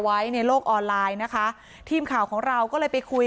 ไว้ในโลกออนไลน์นะคะทีมข่าวของเราก็เลยไปคุย